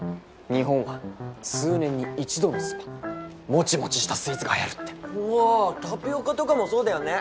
日本は数年に一度のスパンでモチモチしたスイーツがはやるってうわータピオカとかもそうだよね